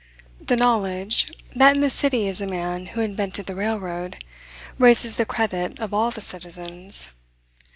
The knowledge, that in the city is a man who invented the railroad, raises the credit of all the citizens.